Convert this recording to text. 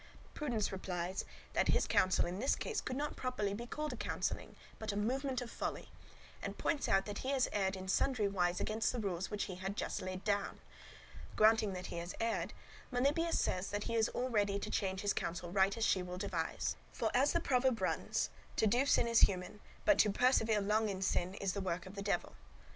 Prudence replies that his counsel in this case could not properly be called a counselling, but a movement of folly; and points out that he has erred in sundry wise against the rules which he had just laid down. Granting that he has erred, Melibœus says that he is all ready to change his counsel right as she will devise; for, as the proverb runs, to do sin is human, but to persevere long in sin is work of the Devil.